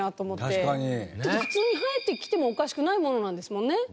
だって普通に生えてきてもおかしくないものなんですもんね？